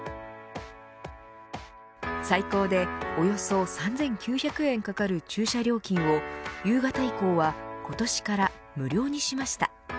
最高でおよそ３９００円かかる駐車料金を夕方以降は今年から無料にしました。